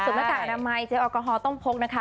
ส่วนอากาศอาณาไมค์เจลอลกอฮอล์ต้องพกนะคะ